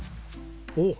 おっ！